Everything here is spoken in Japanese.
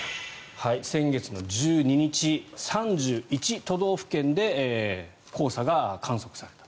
先月１２日、３１都道府県で黄砂が観測された。